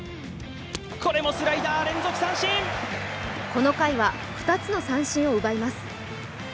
この回は２つの三振を奪います。